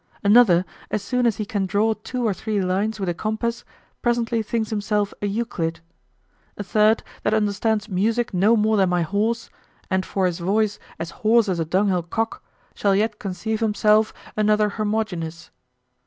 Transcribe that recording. Another, as soon as he can draw two or three lines with a compass, presently thinks himself a Euclid. A third, that understands music no more than my horse, and for his voice as hoarse as a dunghill cock, shall yet conceive himself another Hermogenes.